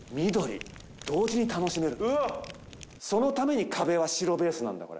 そのために壁は白ベースなんだ、これ。